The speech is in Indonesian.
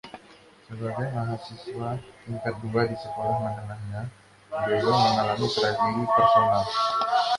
Sebagai mahasiswa tingkat dua di sekolah menengahnya, Gable mengalami tragedi personal.